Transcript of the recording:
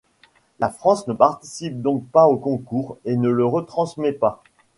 La France ne participe donc pas au Concours et ne le retransmet pas.